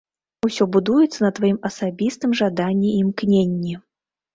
Усё будуецца на тваім асабістым жаданні і імкненні.